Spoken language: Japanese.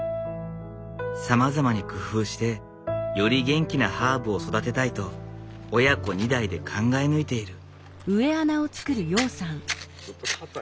さまざまに工夫してより元気なハーブを育てたいと親子２代で考え抜いている。